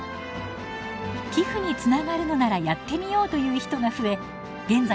寄付につながるのならやってみようという人が増え現在